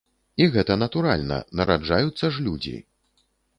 І гэта натуральна, нараджаюцца ж людзі.